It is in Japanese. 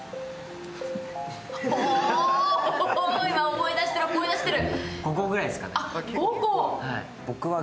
思い出してる思い出してる。